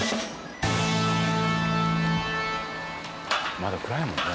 まだ暗いもんね。